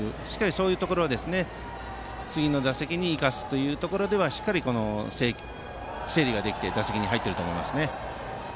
そういうところでしっかりと次の打席に生かすというところはしっかり整理ができて打席に入っていると思いますね。